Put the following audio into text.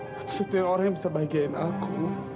satu satunya orang yang bisa bagiin aku